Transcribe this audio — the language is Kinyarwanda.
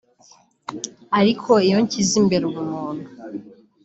Ariko iyo nshyize imbere ubumuntu